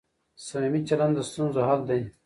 صميمي چلند د ستونزو حل دی.